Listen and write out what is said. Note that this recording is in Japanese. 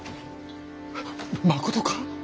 まことか？